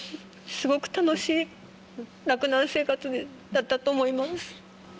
すごく楽しい洛南生活だったと思います。